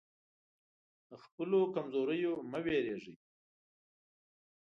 له خپلو کمزوریو مه وېرېږئ.